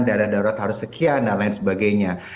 dana darurat harus sekian dan lain sebagainya